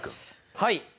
はい。